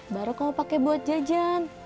baru kamu pakai buat jajan